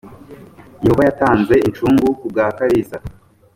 yehova yatanze incungu ku bwa kalisa.